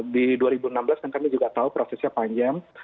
di dua ribu enam belas kan kami juga tahu prosesnya panjang